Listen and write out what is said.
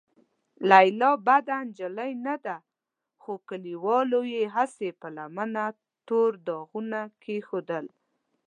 لیلا بده نجلۍ نه ده، خو کليوالو یې هسې په لمنه تور داغونه کېښودل.